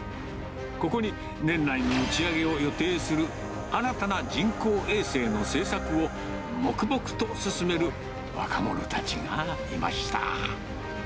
ここに年内に打ち上げを予定する新たな人工衛星の製作を、黙々と進める若者たちがいました。